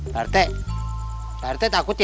pak rt takut ya